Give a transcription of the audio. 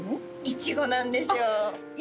イチゴなんですよあっ